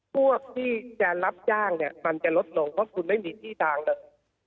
พวกที่จะรับจ้างเนี่ยมันจะลดลงเพราะคุณไม่มีที่ทางเลย